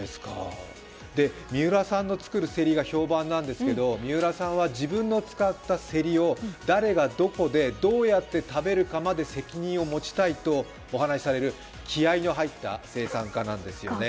三浦さんの作るセリが評判なんですけど、三浦さんは自分の作ったセリを誰がどこでどうやって食べるかまで責任を持ちたいとお話しされる気合いの入った生産家なんですよね。